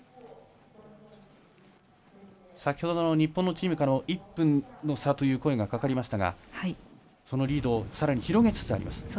先ほど、日本のチームから１分の差という声がかかりましたがそのリードをさらに広げつつあります。